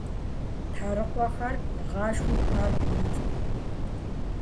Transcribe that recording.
Тхьэрыкъуэхэр игъашхэу паркым итт.